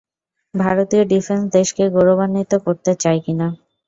ভারতীয় ডিফেন্স দেশকে গৌরবান্বিত করতে চায় কী না!